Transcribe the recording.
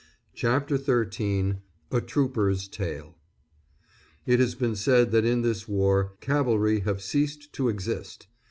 CHAPTER XIII A TROOPER'S TALE [It has been said that in this war cavalry have ceased to exist.